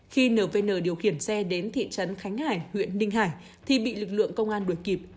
khi nvn điều khiển xe đến thị trấn khánh hải huyện ninh hải thì bị lực lượng công an đuổi kịp